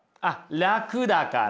楽だから。